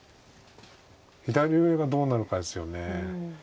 左上がどうなるかですよね。